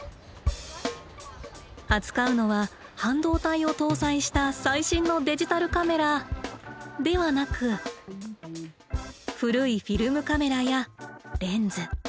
扱うのは半導体を搭載した最新のデジタルカメラではなく古いフィルムカメラやレンズ。